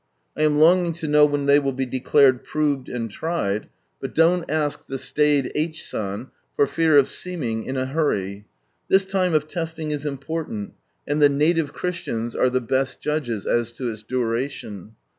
I am longing to know when they will be declared proved and tried, but don't ask the staid H. San, for fear of seeming in a ■53 hurry. This time of testing is important, and the native Christians are the best judges as to its duration.